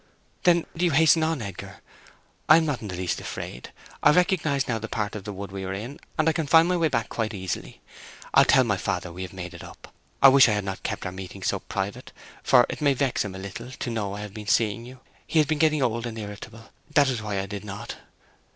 "Then do you hasten on, Edgar. I am not in the least afraid. I recognize now the part of the wood we are in and I can find my way back quite easily. I'll tell my father that we have made it up. I wish I had not kept our meetings so private, for it may vex him a little to know I have been seeing you. He is getting old and irritable, that was why I did not.